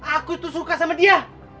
aku tuh suka sama dia